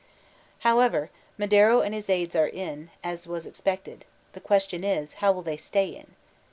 However, Madero and his aids are in, as was expected ; the question is, how will they stay in